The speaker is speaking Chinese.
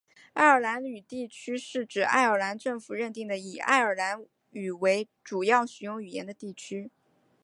爱尔兰语地区是指爱尔兰政府认定的以爱尔兰语为主要使用语言的地区。